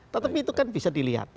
tetapi itu kan bisa dilihat